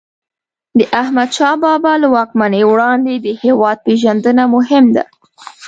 د احمدشاه بابا له واکمنۍ وړاندې د هیواد پېژندنه مهم ده.